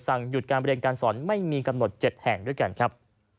หยุดการเรียนการสอนไม่มีกำหนด๗แห่งด้วยกันครับ